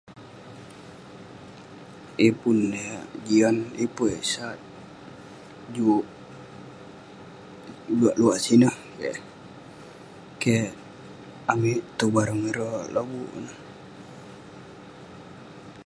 Yeng pun yah jian, yeng pun yah sat..juk beluak luak sineh eh..keh amik tong barang ireh lobuk..